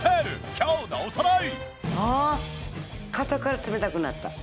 今日のおさらい！